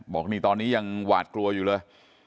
บอกนี่ตอนนี้ยังหวาดกลัวอยู่เลย